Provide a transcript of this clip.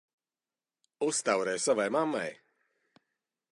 Uztaurē savai mammai!